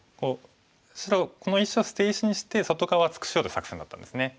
白この石を捨て石にして外側厚くしようとする作戦だったんですね。